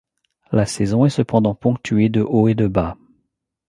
La saison est cependant ponctuée de hauts et de bas.